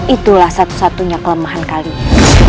itulah satu satunya kelemahan kalian